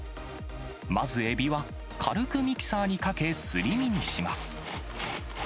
まずエビは、軽くミキサーにかけ、すり身にします。